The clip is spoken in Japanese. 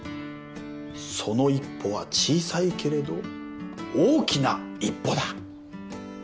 その一歩は小さいけれど大きな一歩だ。